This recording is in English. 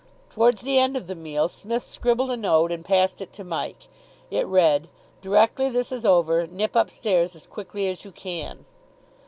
Towards the end of the meal Psmith scribbled a note and passed it to Mike. It read: "Directly this is over, nip upstairs as quickly as you can."